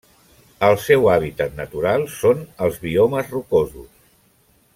El seu hàbitat natural són els biomes rocosos.